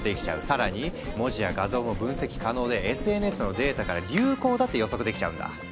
更に文字や画像も分析可能でＳＮＳのデータから流行だって予測できちゃうんだ。